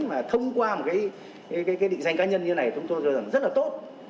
mà thông qua một cái định danh cá nhân như này chúng tôi cho rằng rất là tốt